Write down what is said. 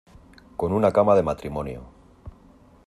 con una cama de matrimonio